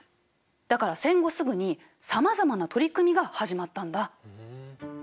だから戦後すぐにさまざまな取り組みが始まったんだ。